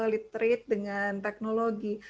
literate dengan teknologi